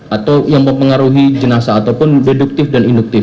atau yang mempengaruhi jenazah ataupun deduktif dan induktif